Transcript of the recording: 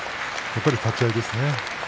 やっぱり立ち合いですね。